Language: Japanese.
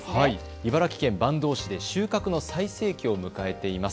茨城県坂東市で収穫の最盛期を迎えています。